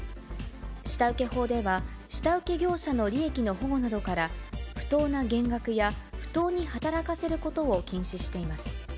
下請法では、下請け業者の利益の保護などから不当な減額や不当に働かせることを禁止しています。